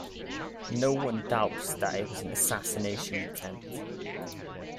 No one doubts that it was an assassination attempt.